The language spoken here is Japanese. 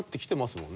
もんね